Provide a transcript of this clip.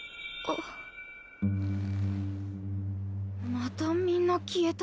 またみんな消えた。